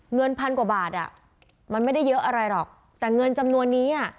เงินพันกว่าบาทอ่ะมันไม่ได้เยอะอะไรหรอกแต่เงินจำนวนนี้อ่ะ